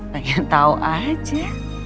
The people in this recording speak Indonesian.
pengen tau aja